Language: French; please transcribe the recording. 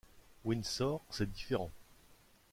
Windsor, c’est différent.